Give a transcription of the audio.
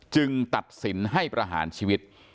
ตัดสินให้ประหารชีวิต